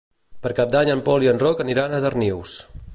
Per Cap d'Any en Pol i en Roc aniran a Darnius.